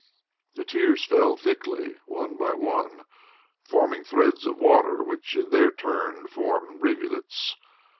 The tears fell thickly, one by one, forming threads of water, which in their turn formed rivulets.